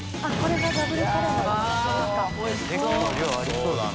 結構量ありそうですよ。